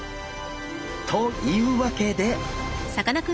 というわけで！